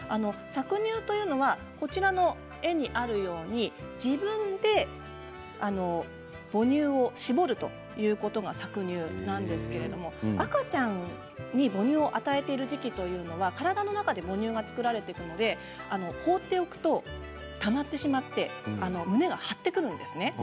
搾乳というのはこちらの絵にあるように自分で母乳を搾るということが搾乳なんですけれども赤ちゃんに母乳を与えている時期というのは体の中で母乳が作られていくので放っておくと、たまってしまって胸が張ってくるんですね。